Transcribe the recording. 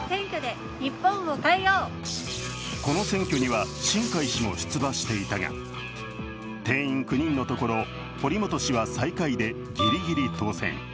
この選挙には新開氏も出馬していたが定員９人のところ、堀本氏は最下位でギリギリ当選。